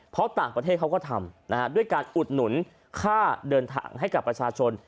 เพราะต่างประเทศเขาก็ทำด้วยการอุดหนุนค่าเดินทางให้กับประชาชน